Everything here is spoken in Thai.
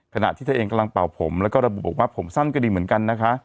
ขณะที่เธอเองกำลังเป่าผมแล้วก็ระบุบอกว่าผมสั้นก็ดีเหมือนกันนะคะ